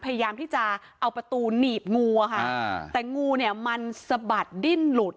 พยายามจะเอาประตูหนีบงูแต่งูมันสะบัดดิ้นหลุด